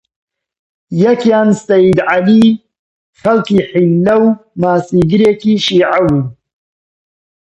یەکیان سەیید عەلی، خەڵکی حیللە و ماسیگرێکی شیعە بوو